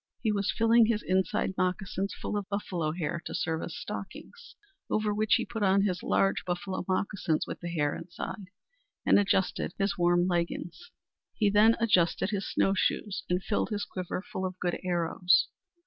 He was filling his inside moccasins full of buffalo hair to serve as stockings, over which he put on his large buffalo moccasins with the hair inside, and adjusted his warm leggins. He then adjusted his snow shoes and filled his quiver full of good arrows.